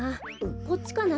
こっちかな？